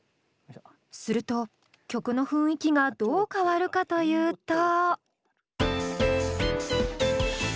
すると曲の雰囲気がどう変わるかというと。